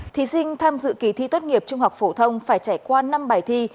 thí sinh tham dự kỳ thi tốt nghiệp trung học phổ thông phải trải qua năm bài thi